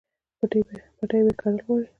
پټی به کرل غواړي